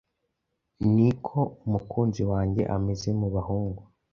Ni ko umukunzi wanjye ameze mu bahungu